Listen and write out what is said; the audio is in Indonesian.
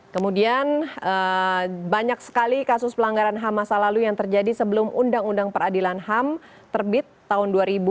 kemudian banyak sekali kasus pelanggaran ham masa lalu yang terjadi sebelum undang undang peradilan ham terbit tahun dua ribu dua